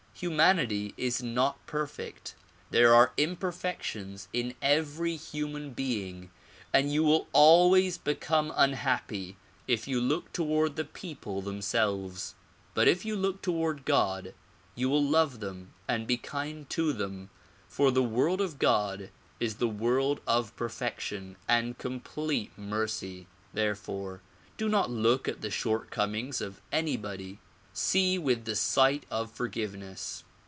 Humanity is not perfect. There are imperfections in every human being and you will always become unhappy if you look toward the people themselves. But if you look toward God you will love them and be kind to them, for the world of God is the world of perfection and complete mercy. Therefore do not look at the shortcomings of anybody ; see with the sight of forgiveness.